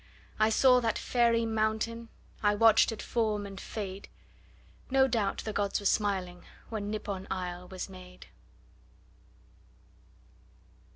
I saw that fairy mountain. ... I watched it form and fade. No doubt the gods were smiling, When Nippon isle was made.